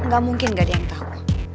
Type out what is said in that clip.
gak mungkin gak ada yang tau